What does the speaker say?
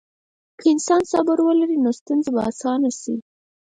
که انسان صبر ولري، نو ستونزې به اسانه شي.